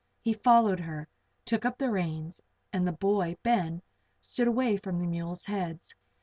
He followed her, took up the reins, and the boy, Ben, stood away from the mules' heads.